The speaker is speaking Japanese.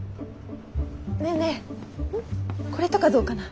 ねえねえこれとかどうかな？